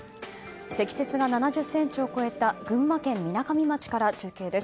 積雪が７０ｃｍを超えた群馬県みなかみ町から中継です。